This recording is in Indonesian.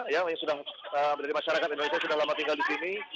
yang dari masyarakat indonesia sudah lama tinggal di sini